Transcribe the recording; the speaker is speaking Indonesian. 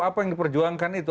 apa yang diperjuangkan itu